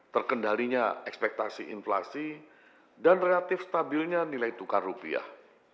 terkendalinya ekspektasi inflasi dan relatif stabilnya nilai tukar rupiah